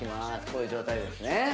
こういう状態ですね